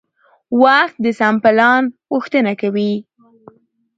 وخت د سم پلان غوښتنه کوي